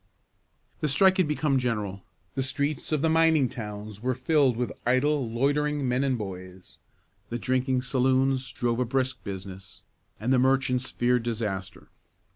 The strike had become general. The streets of the mining towns were filled with idle, loitering men and boys. The drinking saloons drove a brisk business, and the merchants feared disaster.